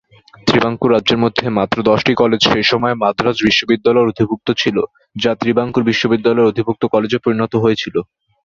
ত্রিবাঙ্কুর রাজ্যের মধ্যে মাত্র দশটি কলেজ সেই সময়ে মাদ্রাজ বিশ্ববিদ্যালয়ের অধিভুক্ত ছিল, যা ত্রিবাঙ্কুর বিশ্ববিদ্যালয়ের অধিভুক্ত কলেজে পরিণত হয়েছিল।